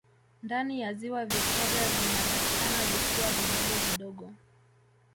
Ndani ya Ziwa Viktoria vinapatikana visiwa vidogo vidogo